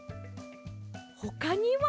ほかには？